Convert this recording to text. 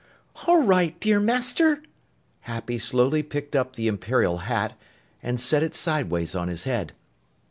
"All right, dear Master!" Happy slowly picked up the Imperial hat and set it sideways on his head.